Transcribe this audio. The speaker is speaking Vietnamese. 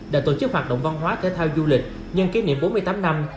đã tổ chức hoạt động văn hóa thể thao du lịch nhân kỷ niệm bốn mươi tám năm